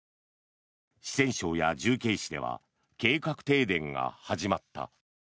四川省や重慶市では計画停電が始まった。